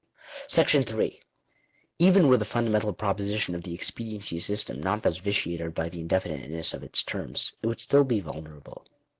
§ 3. Even were the fundamental proposition of the expediency system not thus vitiated by the indefiniteness of its terms, it would still be vulnerable.